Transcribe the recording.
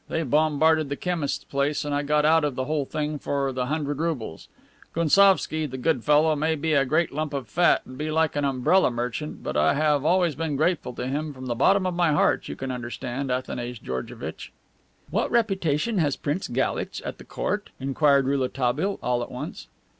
They bombarded the chemist's place, and I got out of the whole thing for the hundred roubles. Gounsovski, the good fellow, may be a great lump of fat and be like an umbrella merchant, but I have always been grateful to him from the bottom of my heart, you can understand, Athanase Georgevitch." "What reputation has Prince Galitch at the court?" inquired Rouletabille all at once.